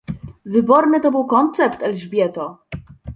"wyborny to był koncept, Elżbieto!"